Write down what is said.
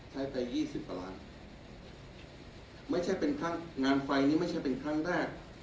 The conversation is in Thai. ใช้ไป๒๐ล้านไม่ใช่เป็นครั้งงานไฟนี้ไม่ใช่เป็นครั้งแรก